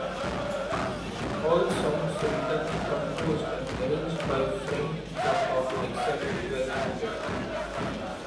All songs written, composed and arranged by Frank Zappa except where noted.